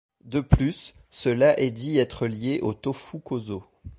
De plus, cela est dit être lié au tōfu-kozō.